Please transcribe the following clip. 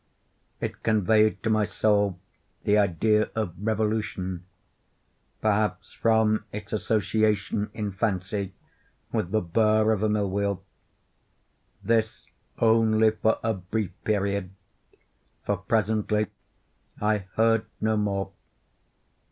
It conveyed to my soul the idea of revolution—perhaps from its association in fancy with the burr of a mill wheel. This only for a brief period, for presently I heard no more.